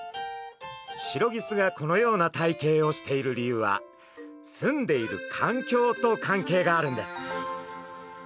シロギスがこのような体形をしている理由は住んでいるかんきょうと関係があるんです。